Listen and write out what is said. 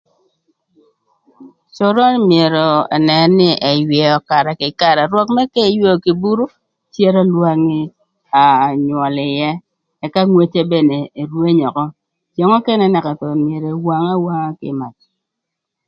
Coron myero ënën nï ëywëö karë kï karë, rwök mërë ka ëywëö kï buru cero lwangi ka nywöl ïë, ëka ngwece bene rwenyo ökö. Ceng nökënë naka thon myero ëwangawanga kï mac.